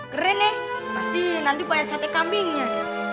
keren nih pasti nanti banyak sate kambingnya